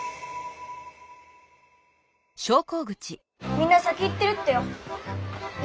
みんな先行ってるってよ。